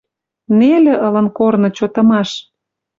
Нелӹ ылын корны чотымаш.